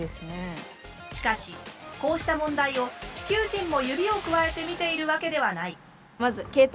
しかしこうした問題を地球人も指をくわえて見ているわけではない。